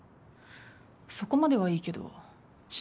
そこまではいいけど嶋君は？